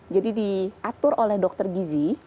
jadi diatur oleh dokter gizi